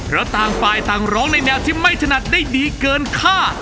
เพราะต่างฝ่ายต่างร้องในแนวที่ไม่ถนัดได้ดีเกินค่า